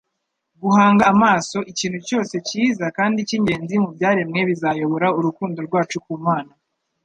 Guhanga amaso ikintu cyose cyiza kandi cy'ingenzi mu byaremwe bizayobora urukundo rwacu ku Mana.